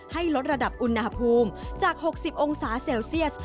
ลดระดับอุณหภูมิจาก๖๐องศาเซลเซียส